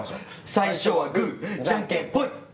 最初はグじゃんけんポイ！